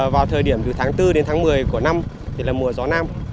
vào thời điểm từ tháng bốn đến tháng một mươi của năm thì là mùa gió nam